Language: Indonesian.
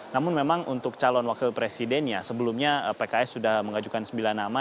namun memang untuk calon wakil presidennya sebelumnya pks sudah mengajukan sembilan nama